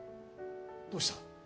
どうした？